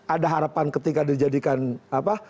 ada harapan ketika dijadikan apa